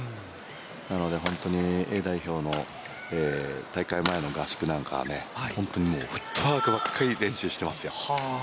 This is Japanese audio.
なので本当にＡ代表の大会前の合宿なんかは本当にフットワークばかり練習していますよ。